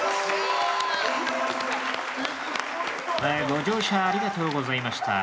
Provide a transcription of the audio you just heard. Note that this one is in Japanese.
ご乗車ありがとうございました。